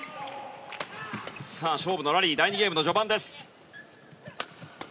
勝負のラリー第２ゲームの序盤です。